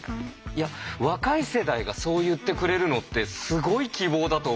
いや若い世代がそう言ってくれるのってすごい希望だと思うのよ。